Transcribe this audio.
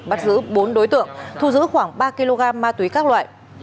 bắt giữ bốn đối tượng thu giữ khoảng ba kg ma túy các loại